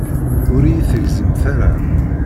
Ur iyi-tegzimt ara.